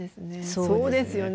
そうですよね。